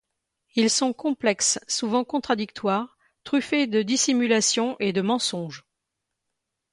Ils sont complexes, souvent contradictoires, truffés de dissimulations et de mensonges.